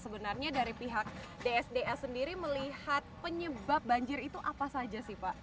sebenarnya dari pihak dsds sendiri melihat penyebab banjir itu apa saja sih pak